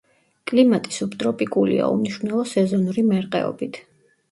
კლიმატი სუბტროპიკულია, უმნიშვნელო სეზონური მერყეობით.